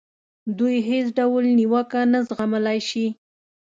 دوی هېڅ ډول نیوکه نه زغملای شي.